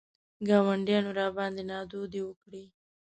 ګاونډیانو راباندې نادودې وکړې.